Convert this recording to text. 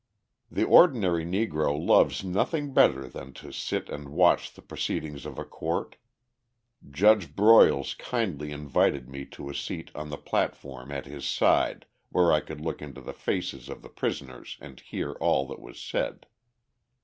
The ordinary Negro loves nothing better than to sit and watch the proceedings of a court. Judge Broyles kindly invited me to a seat on the platform at his side where I could look into the faces of the prisoners and hear all that was said.